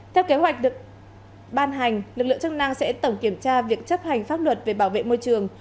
theo kế hoạch được ban hành lực lượng chức năng sẽ tổng kiểm tra việc chấp hành pháp luật về bảo vệ môi trường